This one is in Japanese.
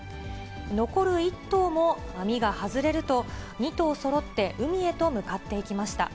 残る１頭も網が外れると、２頭そろって、海へと向かっていきました。